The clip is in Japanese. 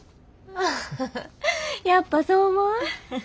ハハハハやっぱそう思う？